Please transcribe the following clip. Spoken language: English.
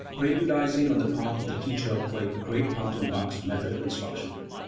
Preludising on the part of the teacher played a great part in Bach's method of instruction.